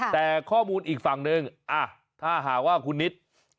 แต่ข้อมูลอีกฝั่งหนึ่งถ้าหากว่าคุณนิด